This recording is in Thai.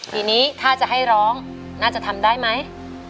ทีนี้ถ้าจะให้ร้องน่าจะทำได้ไหม